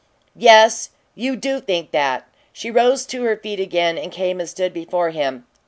"Yes, you do think that!" She rose to her feet again and came and stood before him.